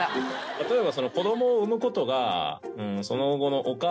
例えば。